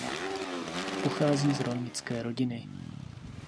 Pochází z rolnické rodiny.